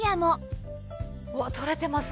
うわ取れてますね。